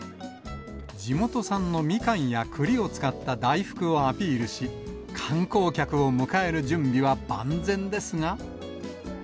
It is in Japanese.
地元産のみかんやくりを使った大福をアピールし、観光客を迎える準備は万全ですが。